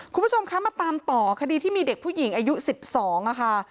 คุณผู้ชมคะมาตามต่อคดีที่มีเด็กผู้หญิงอายุ๑๒ค่ะ